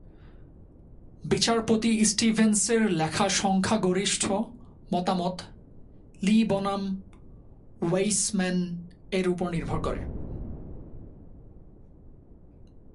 বিচারপতি স্টিভেনসের লেখা সংখ্যাগরিষ্ঠ মতামত "লি বনাম ওয়েইসম্যান" এর উপর নির্ভর করে।